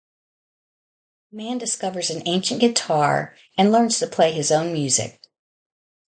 A man discovers an ancient guitar and learns to play his own music.